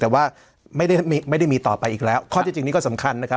แต่ว่าไม่ได้ไม่ได้มีต่อไปอีกแล้วข้อที่จริงนี้ก็สำคัญนะครับ